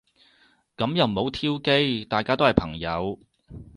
噉又唔好挑機。大家都係朋友